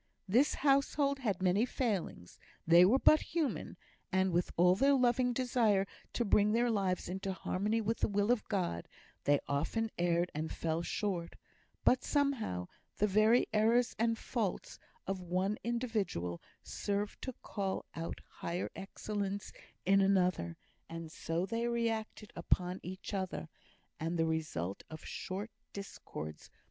This household had many failings: they were but human, and, with all their loving desire to bring their lives into harmony with the will of God, they often erred and fell short; but, somehow, the very errors and faults of one individual served to call out higher excellences in another, and so they reacted upon each other, and the result of short discords was exceeding harmony and peace.